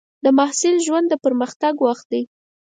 د محصل ژوند د پرمختګ وخت دی.